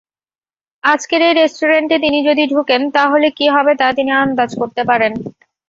আজকের এই রেস্টুরেন্টে তিনি যদি ঢুকেন তাহলে কি হবে তা তিনি আন্দাজ করতে পারেন।